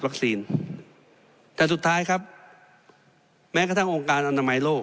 แต่สุดท้ายครับแม้กระทั่งองค์การอนามัยโลก